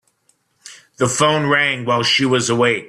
The phone rang while she was awake.